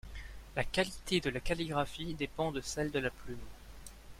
La qualité de la calligraphie dépend de celle de la plume.